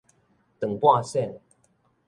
斷半仙